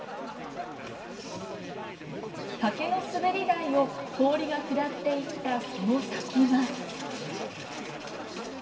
竹の滑り台を氷が下っていったその先は。